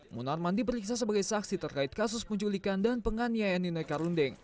munarman diperiksa sebagai saksi terkait kasus penculikan dan penganiayaan ninoi karundeng